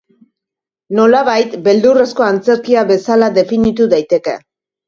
Nolabait, beldurrezko antzerkia bezala definitu daiteke.